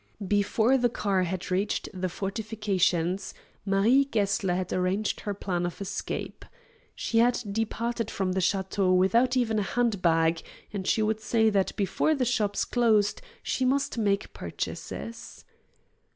Before the car had reached the fortifications, Marie Gessler had arranged her plan of escape. She had departed from the château without even a hand bag, and she would say that before the shops closed she must make purchases.